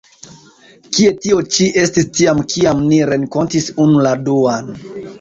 Kie tio ĉi estis tiam, kiam ni renkontis unu la duan?